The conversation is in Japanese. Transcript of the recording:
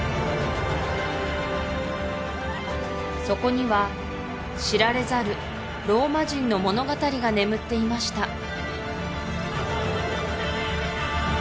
そこには知られざるローマ人の物語が眠っていました